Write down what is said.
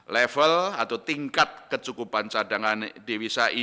level atau tingkat kecukupan cadangan divisa indonesia